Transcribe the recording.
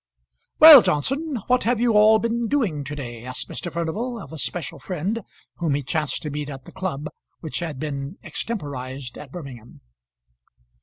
"Well, Johnson, what have you all been doing to day?" asked Mr. Furnival of a special friend whom he chanced to meet at the club which had been extemporized at Birmingham.